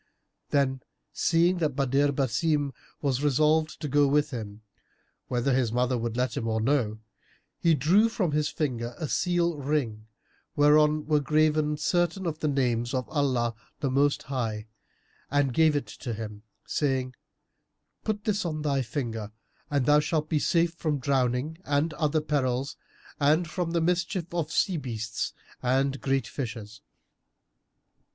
Then, seeing that Badr Basim was resolved to go with him, whether his mother would let him or no, he drew from his finger a seal ring, whereon were graven certain of the names of Allah the Most High, and gave it to him, saying, "Put this on thy finger, and thou shalt be safe from drowning and other perils and from the mischief of sea beasts and great fishes."